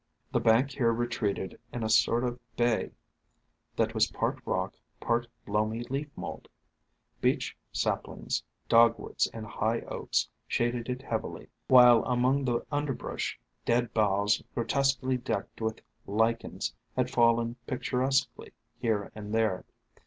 The bank here retreated in a sort of bay that was part rock, part loamy leaf mold. Beech sap THE FANTASIES OF FERNS 213 lings, Dogwoods and high Oaks shaded it heavily, while among the underbrush dead boughs gro tesquely decked with lichens had fallen picturesquely here and there.